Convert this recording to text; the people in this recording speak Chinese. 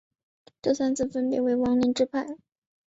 这三次分别为王凌之叛。